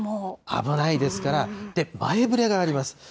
危ないですから、前触れがあります。